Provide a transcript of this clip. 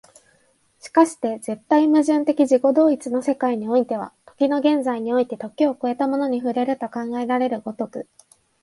而して絶対矛盾的自己同一の世界においては、時の現在において時を越えたものに触れると考えられる如く、